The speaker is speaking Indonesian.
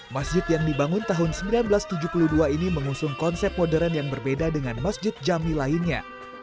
masjid yang dibangun tahun seribu sembilan ratus tujuh puluh dua ini mengusung konsep modern yang berbeda dengan masjid jami lainnya